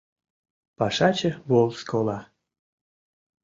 Пашаче Волжск ола.